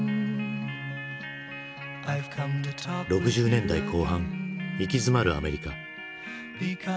６０年代後半行き詰まるアメリカ。